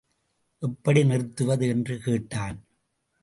எப்படி நிறுத்துவது என்று கேட்டான்.